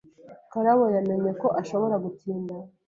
Karabo yamenye ko ashobora gutinda.